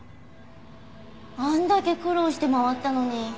あんだけ苦労して回ったのに。